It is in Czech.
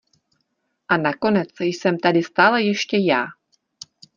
A nakonec jsem tady stále ještě já.